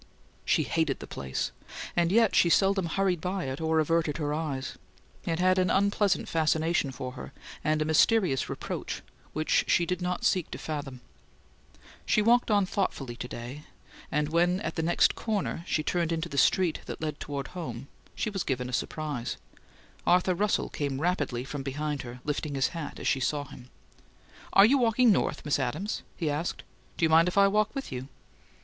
She hated the place, and yet she seldom hurried by it or averted her eyes. It had an unpleasant fascination for her, and a mysterious reproach, which she did not seek to fathom. She walked on thoughtfully to day; and when, at the next corner, she turned into the street that led toward home, she was given a surprise. Arthur Russell came rapidly from behind her, lifting his hat as she saw him. "Are you walking north, Miss Adams?" he asked. "Do you mind if I walk with you?"